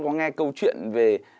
có nghe câu chuyện về